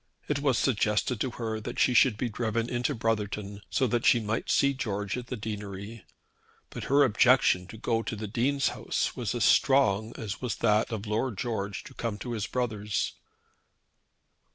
It was suggested to her that she should be driven into Brotherton, so that she might see George at the deanery; but her objection to go to the Dean's house was as strong as was that of Lord George to come to his brother's.